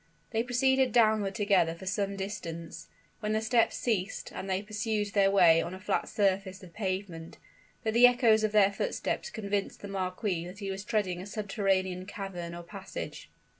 They proceeded downward together for some distance, when the steps ceased, and they pursued their way on a flat surface of pavement; but the echoes of their footsteps convinced the marquis that he was treading a subterranean cavern or passage.